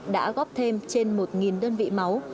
đã góp thêm trên một đơn vị máu